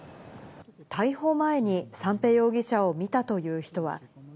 逮捕前に三瓶容疑者を見たという人は。